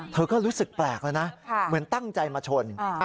เธอก็รู้สึกแปลกแล้วนะเหมือนตั้งใจมาชน